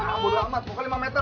agung banget pokoknya lima meter